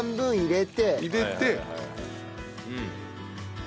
入れて。